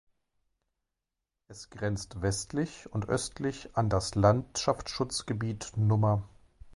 Es grenzt westlich und östlich an das Landschaftsschutzgebiet Nr.